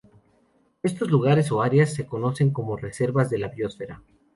Estos lugares o áreas se conocen como reservas de la biosfera.